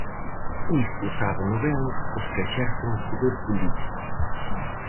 Iso sábeno ben os que exercen o poder político.